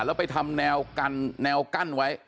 แล้วไปทำแนวกั้นไว้